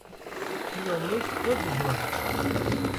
Îro mij pir dijwar bû.